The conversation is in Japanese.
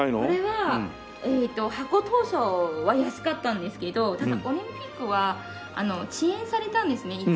これは発行当初は安かったんですけどただオリンピックは遅延されたんですね